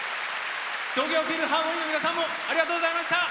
東京フィルハーモニーの皆さんもありがとうございました！